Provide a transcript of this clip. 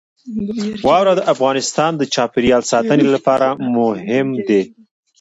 واوره د افغانستان د چاپیریال ساتنې لپاره مهم دي.